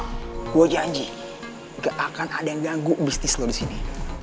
gue janji gak akan ada yang ganggu bisnis lo di sini